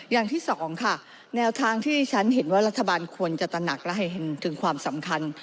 อย่างที่สองค่ะแนวทางที่ฉันเห็นว่ารัฐบาลควรจะตระหนักและให้เห็นถึงความสำคัญ